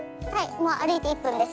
もう歩いて１分です